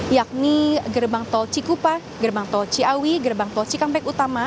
yakni gerbang tol cikupa gerbang tol ciawi gerbang tol cikampek utama